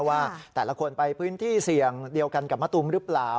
ว่าแต่ละคนไปพื้นที่เสี่ยงเดียวกันกับมะตูมหรือเปล่า